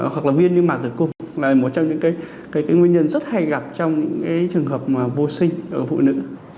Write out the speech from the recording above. hoặc là viên như mạng tử cung là một trong những nguyên nhân rất hay gặp trong trường hợp vô sinh của phụ nữ